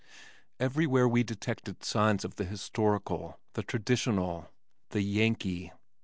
Everywhere we detected signs of the historical, the traditional, the Yankee.